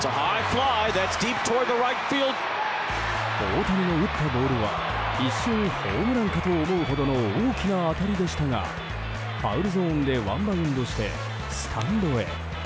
大谷の打ったボールは一瞬ホームランかと思うほどの大きな当たりでしたがファウルゾーンでワンバウンドしてスタンドへ。